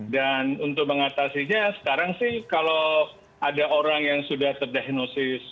dan untuk mengatasinya sekarang sih kalau ada orang yang sudah terdiagnosis